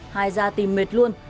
hai ra tìm mệt luôn